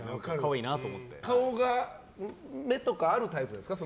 顔が目とかあるタイプですか？